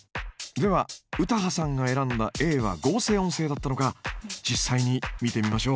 では詩羽さんが選んだＡは合成音声だったのか実際に見てみましょう。